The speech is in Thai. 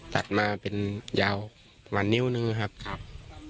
ตัดมาเป็นยาวประมาณนิ้วนึงครับ